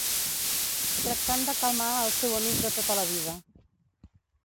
...tractant de calmar al seu amic de tota la vida.